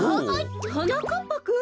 はなかっぱくん。